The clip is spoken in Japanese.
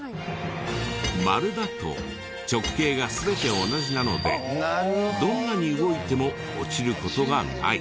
円だと直径が全て同じなのでどんなに動いても落ちる事がない。